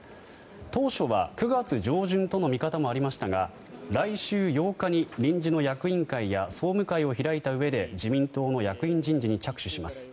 当初は９月上旬との見方もありましたが来週８日に臨時の役員会や総務会を開いたうえで自民党の役員人事に着手します。